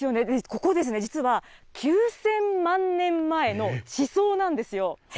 ここ、実は、９０００万年前の地層なんですよ。